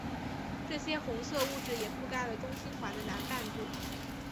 这些红色物质也覆盖了中心环的南半部。